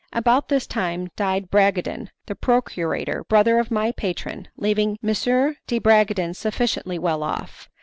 About this time died Bragadin the procurator, brother of my patron, leaving M. de Bragadin sufficiently well off.